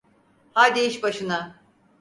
Hadi iş başına.